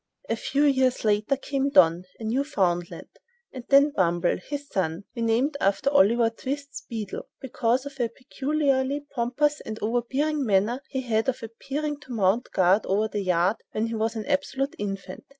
A few years later came "Don," a Newfoundland, and then "Bumble," his son, named after "Oliver Twist's" beadle, because of "a peculiarly pompous and overbearing manner he had of appearing to mount guard over the yard when he was an absolute infant."